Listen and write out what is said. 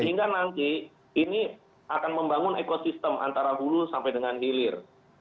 sehingga nanti ini akan membangun ekosistem antara hulu sampai dengan hilir